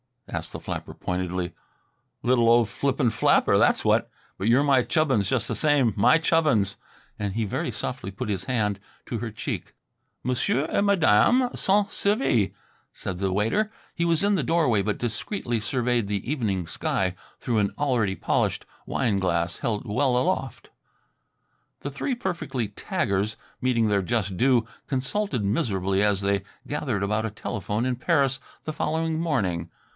asked the flapper pointedly. "Little old flippant flapper, that's what! But you're my Chubbins just the same; my Chubbins!" and he very softly put his hand to her cheek. "Monsieur et Madame sont servi," said the waiter. He was in the doorway but discreetly surveyed the evening sky through an already polished wine glass held well aloft. The three perfectly taggers meeting their just due, consulted miserably as they gathered about a telephone in Paris the following morning.